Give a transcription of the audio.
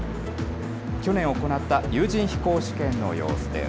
去年行った有人飛行試験の様子です。